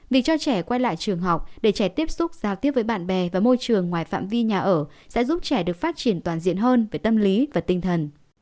việc cho trẻ quay lại trường học để trẻ tiếp xúc giao tiếp với bạn bè và môi trường ngoài phạm vi nhà ở sẽ giúp trẻ được phát triển toàn diện hơn về tâm lý và tinh thần